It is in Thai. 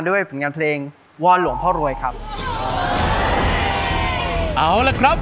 ก็อยากจะเข้ารอบละครับ